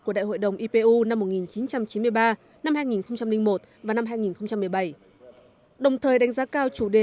của đại hội đồng ipu năm một nghìn chín trăm chín mươi ba hai nghìn một và năm hai nghìn một mươi bảy đồng thời đánh giá cao chủ đề